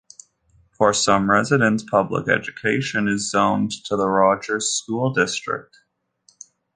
For some residents, public education is zoned to the Rogers School District.